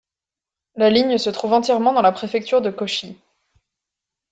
La ligne se trouve entièrement dans la préfecture de Kōchi.